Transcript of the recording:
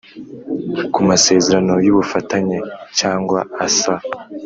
Ku masezerano y ubufatanye cyangwa asa